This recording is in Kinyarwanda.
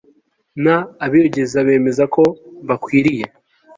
n abiyogeza bemeza ko bakwiriye